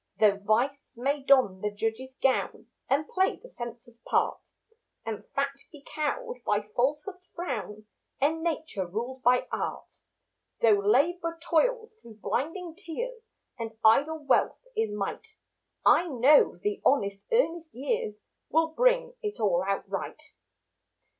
Though Vice may don the judge's gown And play the censor's part, And Fact be cowed by Falsehood's frown And Nature ruled by art; Though Labour toils through blinding tears And idle Wealth is might, I know the honest, earnest years Will bring it all out right.